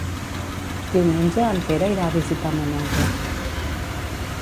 Diumenge en Pere irà a visitar mon oncle.